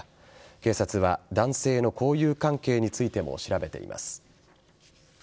警察は男性の交友関係についても調べています。